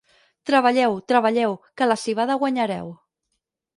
Treballeu, treballeu, que la civada guanyareu.